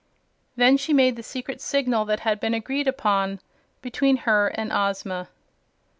Then she made the secret signal that had been agreed upon between her and Ozma.